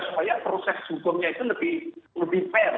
supaya proses hukumnya itu lebih fair